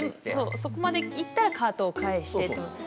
そこまで行ったらカートを返してって。